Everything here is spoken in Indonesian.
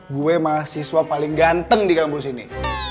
gue mahasiswa paling ganteng di kampus ini